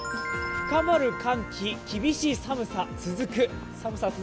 深まる寒気、厳しい寒さ続く。